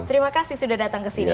terima kasih sudah datang ke sini